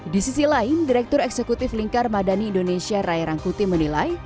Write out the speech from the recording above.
di sisi lain direktur eksekutif lingkar madani indonesia rai rangkuti menilai